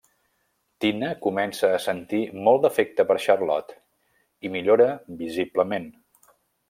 Tina comença a sentir molt d'afecte per Charlotte i millora visiblement.